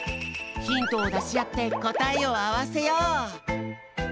ヒントをだしあってこたえをあわせよう！